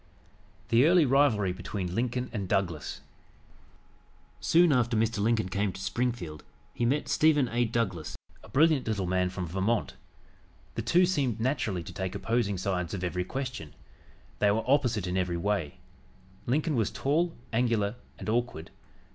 THE EARLY RIVALRY BETWEEN LINCOLN AND DOUGLAS Soon after Mr. Lincoln came to Springfield he met Stephen A. Douglas, a brilliant little man from Vermont. The two seemed naturally to take opposing sides of every question. They were opposite in every way. Lincoln was tall, angular and awkward.